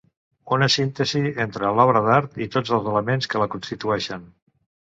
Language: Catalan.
Una síntesi entre l'obra d'art i tots els elements que la constitueixen.